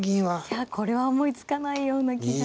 いやこれは思いつかないような気が。